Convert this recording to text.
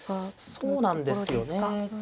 そうなんですよね。